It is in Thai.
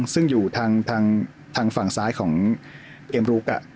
ซึ่งอยู่ทางฝั่งซ้ายของเกมลุก